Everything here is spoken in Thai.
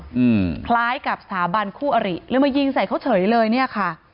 อืมคล้ายกับสถาบันคู่อริเลยมายิงใส่เขาเฉยเลยเนี้ยค่ะ